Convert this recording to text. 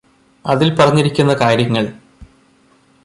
അതിൽ പറഞ്ഞിരിക്കുന്ന കാര്യങ്ങൾ